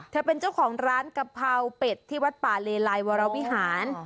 เจ้าของร้านกะเพราเป็ดที่วัดป่าเลไลวรวิหาร